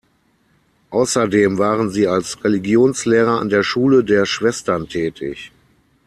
Außerdem waren sie als Religionslehrer an der Schule der Schwestern tätig.